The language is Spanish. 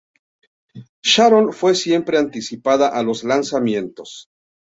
Sharon fue siempre anticipada a los lanzamientos.